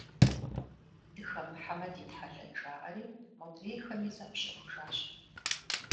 Дыхэмыхьэмэ дитхьэлэн жаӀэри, модрейхэми заущэхужащ.